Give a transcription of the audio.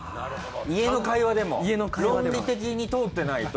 家の会話でも論理的に通ってないと。